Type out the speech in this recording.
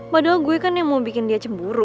padahal gue kan yang mau bikin dia cemburu